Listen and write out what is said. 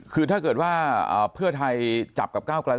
คือถ้าเกิดว่าเพื่อไทยจับกับก้าวกลาย